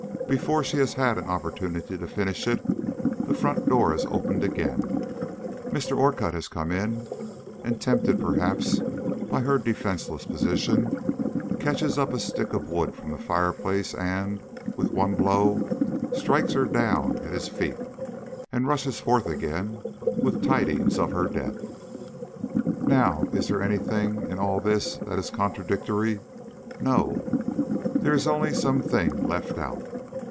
Before she has had an opportunity to finish it, the front door has opened again, Mr. Orcutt has come in, and, tempted perhaps by her defenceless position, catches up a stick of wood from the fireplace and, with one blow, strikes her down at his feet, and rushes forth again with tidings of her death. Now, is there any thing in all this that is contradictory? No; there is only something left out.